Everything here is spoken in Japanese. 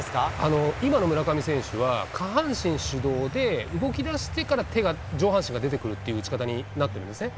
今の村上選手は、下半身主導で動きだしてから手が、上半身が出てくるっていう打ち方になってるんですね。